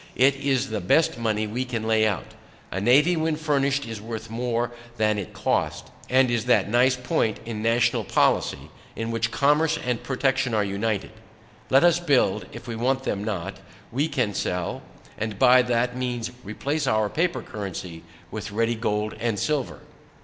It is the best money we can lay out. A navy when finished is worth more than it cost. And is that nice point in national policy, in which commerce and protection are united. Let us build; if we want them not, we can sell; and by that means replace our paper currency with ready gold and silver.